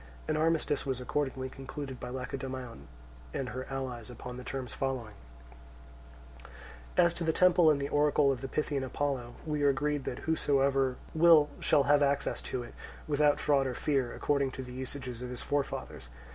An armistice was accordingly concluded by Lacedaemon and her allies upon the terms following: 1. As to the temple and oracle of the Pythian Apollo, we are agreed that whosoever will shall have access to it, without fraud or fear, according to the usages of his forefathers.